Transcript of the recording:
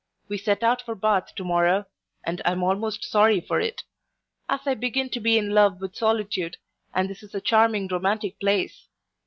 We set out for Bath to morrow, and I am almost sorry for it; as I begin to be in love with solitude, and this is a charming romantic place.